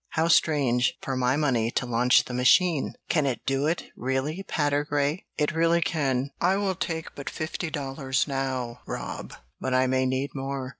How strange for my money to launch the machine! Can it do it, really, Patergrey?" "It really can. I will take but fifty dollars now, Rob, but I may need more.